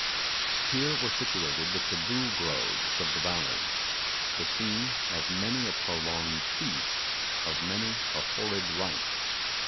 Here were situated the Taboo groves of the valley the scene of many a prolonged feast, of many a horrid rite.